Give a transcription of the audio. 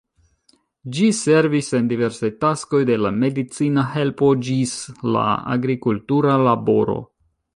Ĝi servis en diversaj taskoj de la medicina helpo ĝis la agrikultura laboro.